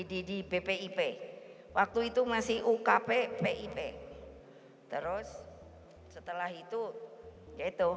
ddpip waktu itu masih ukp pip terus setelah itu yaitu